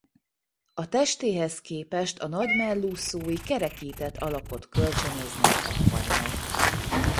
A testéhez képest a nagy mellúszói kerekített alakot kölcsönöznek a halnak.